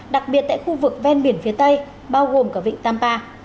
đặc biệt tại khu vực ven biển phía tây bao gồm cả vịnh sampa